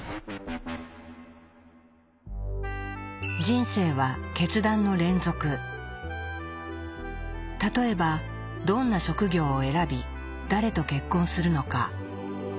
人生は例えばどんな職業を選び誰と結婚するのか。